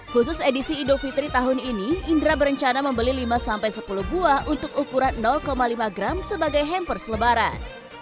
khusus edisi idofitri tahun ini indra berencana membeli lima sampai sepuluh buah untuk ukuran lima gram sebagai hamper selebaran